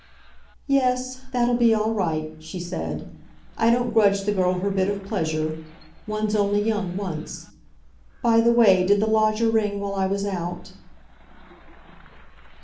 "Yes. That'll be all right," she said. "I don't grudge the girl her bit of pleasure. One's only young once. By the way, did the lodger ring while I was out?"